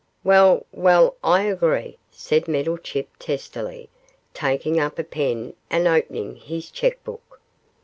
'Well, well, I agree,' said Meddlechip, testily, taking up a pen and opening his cheque book.